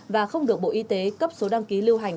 và không được bộ y tế cấp số đăng ký lưu hành